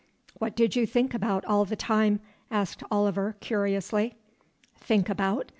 "What did you think about all the time?" asked Oliver curiously. "Think about?